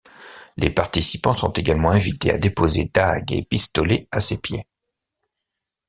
Les participants sont également invités à déposer dagues et pistolets à ses pieds.